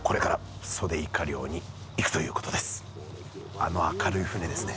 あの明るい船ですね。